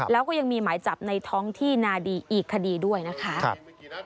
แล้วก็ยังมีหมายจับในท้องที่นาดีอีกคดีด้วยนะคะ